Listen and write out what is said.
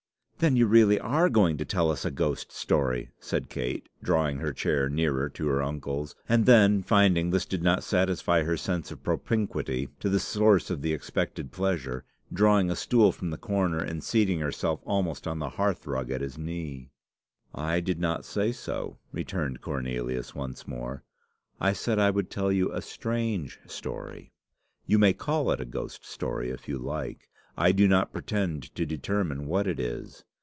"Then you really are going to tell us a ghost story!" said Kate, drawing her chair nearer to her uncle's; and then, finding this did not satisfy her sense of propinquity to the source of the expected pleasure, drawing a stool from the corner, and seating herself almost on the hearth rug at his knee. "I did not say so," returned Cornelius, once more. "I said I would tell you a strange story. You may call it a ghost story if you like; I do not pretend to determine what it is.